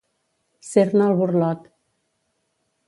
Ser-ne el burlot.